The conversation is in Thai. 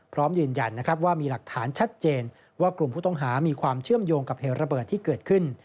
พร้อมยืนยันว่ามีหลักฐานชัดเจนว่ากลุ่มผู้ต้องหามีความเชื่อมโยงกับเหตุระเบิดที่เกิดขึ้น